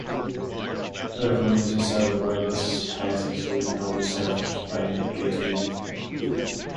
The communities served by those titles will now be served by other Gateway newspapers.